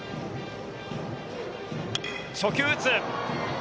初球を打つ。